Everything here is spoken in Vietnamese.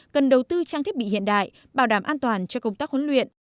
cần đầu tư trang thiết bị hiện đại bảo đảm an toàn cho công tác huấn luyện